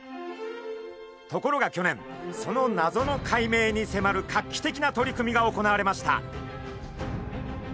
ところが去年その謎の解明にせまる画期的な取り組みが行われました。